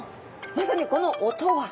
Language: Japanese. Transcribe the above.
まさにこの音は。